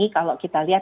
kalau kita lihat